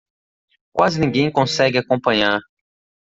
Quase ninguém consegue acompanhar